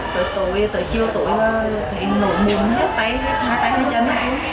tới tuổi tới chiều tuổi là thấy nổi mụn hát tay hát tay hát chân